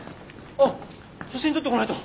あっ写真撮ってこないと。